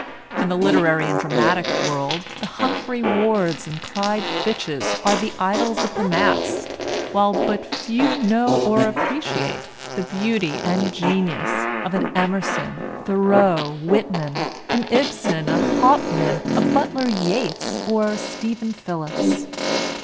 In the literary and dramatic world, the Humphrey Wards and Clyde Fitches are the idols of the mass, while but few know or appreciate the beauty and genius of an Emerson, Thoreau, Whitman; an Ibsen, a Hauptmann, a Butler Yeats, or a Stephen Phillips.